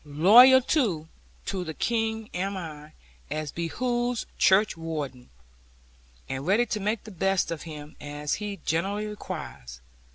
Loyal, too, to the King am I, as behoves churchwarden; and ready to make the best of him, as he generally requires.